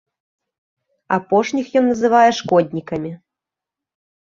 Апошніх ён называе шкоднікамі.